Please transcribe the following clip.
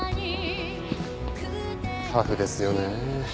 タフですよね。